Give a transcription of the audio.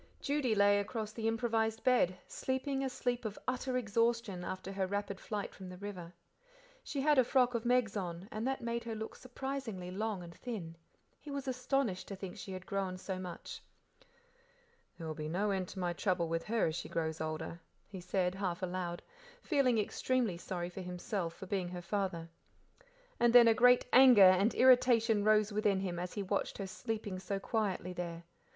Judy lay across the improvised bed, sleeping a sleep of utter exhaustion after her rapid flight from the river. She had a frock of Meg's on, that made her look surprisingly long and thin; he was astonished to think she had grown so much. "There will be no end to my trouble with her as she grows older," he said, half aloud, feeling extremely sorry for himself for being her father. Then a great anger and irritation rose within him as he watched her sleeping so quietly there.